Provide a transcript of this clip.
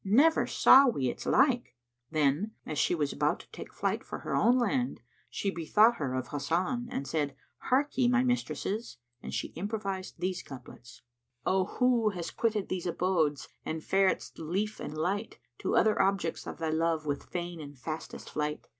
Never saw we its like." Then, as she was about to take flight for her own land, she bethought her of Hasan and said, "Hark ye, my mistresses!" and she improvised these couplets,[FN#94] "O who hast quitted these abodes and faredst lief and light * To other objects of thy love with fain and fastest flight!